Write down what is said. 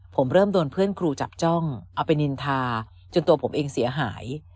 ผมเริ่มโดนเพื่อนครูจับจ้องเอาไปนินทาจนตัวผมเองเสียหาย